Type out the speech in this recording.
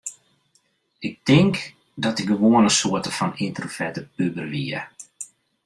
Ik tink dat ik gewoan in soarte fan yntroverte puber wie.